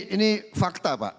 ini fakta pak